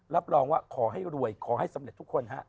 รับรองว่าขอให้รวยขอให้สำเร็จทุกคนฮะ